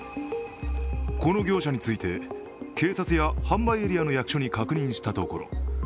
この業者について、警察や販売エリアの役所に確認したところ